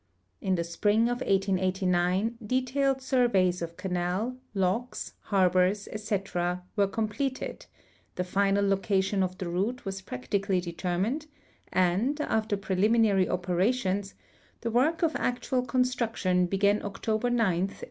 In the s})ring of 1889 detailed surveys of canal, locks, harbors, etc., were com])letcd, the final location of the route was jiractically determined, and, after jn eliminary oi)crations, the work of actual construction began October 9, 1889.